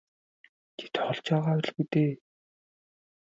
Чи тоглож байгаа байлгүй дээ.